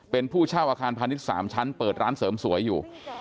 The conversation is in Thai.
เป็นผู้เช่าอาคารพาณิชย์๓ชั้นเปิดร้านเสริมสวยอยู่